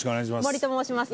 森と申します。